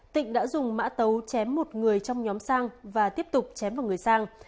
tịnh đã dùng mã tấu chém một người trong nhóm sang và tiếp tục chém vào người sang